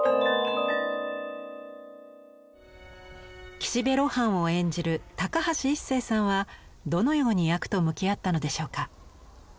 岸辺露伴を演じる高橋一生さんはどのように役と向き合ったのでしょうか？